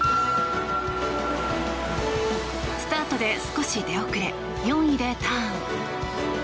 スタートで少し出遅れ４位でターン。